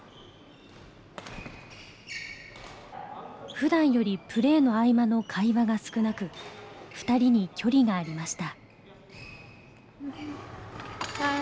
ふだんよりプレーの合間の会話が少なく２人に距離がありました。